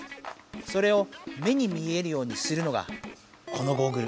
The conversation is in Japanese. それを目に見えるようにするのがこのゴーグル。